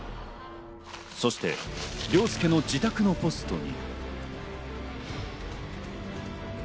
そして凌介の自宅のポストに。